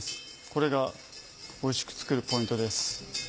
これがおいしく作るポイントです。